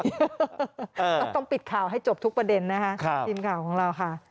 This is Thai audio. ต้องปิดข่าวให้จบทุกประเด็นนะคะทีมข่าวของเราค่ะ